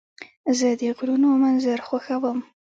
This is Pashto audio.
زه د غرونو منظر خوښوم.